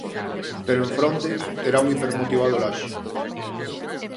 Pero en fronte, terá a un hipermotivado Laxe.